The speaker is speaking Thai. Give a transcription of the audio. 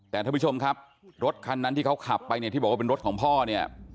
แต่ท่านผู้ชมครับรถคันนั้นที่เขาขับไปเนี่ยที่บอกว่าเป็นรถของพ่อเนี่ย